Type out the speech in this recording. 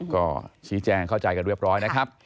ก็ชี้แจงเข้าใจกันเรียบร้อยนะครับ